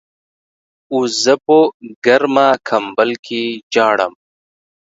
اوس زه په ګرمه کمبل کې ژاړم.